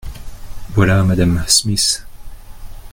Voilà madame Smith.